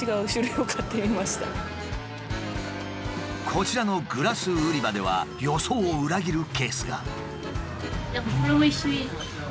こちらのグラス売り場では予想を裏切るケースが。